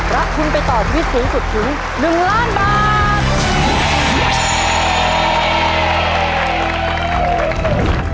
รับทุนไปต่อทวิทยุสูตรถึง๑ล้านบาท